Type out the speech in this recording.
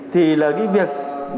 thì là cái việc